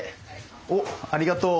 おっありがとう。